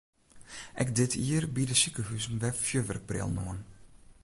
Ek dit jier biede sikehuzen wer fjurwurkbrillen oan.